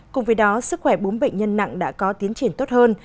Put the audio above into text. cùng với đó sức khỏe bốn bệnh nhân nặng đã có tiến triển tốt hơn